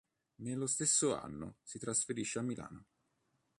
Nello stesso anno si trasferisce a Milano.